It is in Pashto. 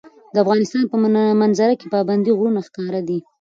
د افغانستان په منظره کې پابندی غرونه ښکاره ده.